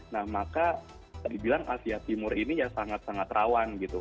nah maka tadi bilang asia timur ini ya sangat sangat rawan gitu